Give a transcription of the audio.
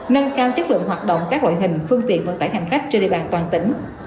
nâng cao chất lượng hoạt động các loại hình phương tiện vận tải hành khách trên địa bàn toàn tỉnh